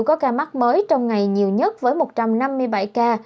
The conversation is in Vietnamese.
có ca mắc mới trong ngày nhiều nhất với một trăm năm mươi bảy ca